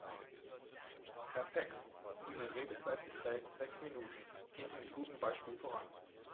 Herr Pex, Ihre Redezeit beträgt sechs Minuten, gehen Sie mit gutem Beispiel voran.